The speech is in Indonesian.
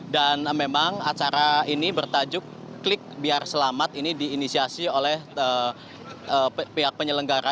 dan memang acara ini bertajuk klik biar selamat ini diinisiasi oleh pihak penyelenggara